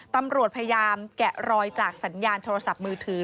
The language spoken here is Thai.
ตำรวจพยายามแกะรอยจากสัญญาณโทรศัพท์มือถือ